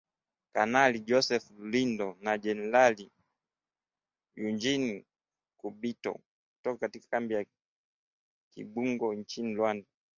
Kanali Joseph Rurindo na Generali Eugene Nkubito, kutoka kambi ya kijeshi ya Kibungo nchini Rwanda.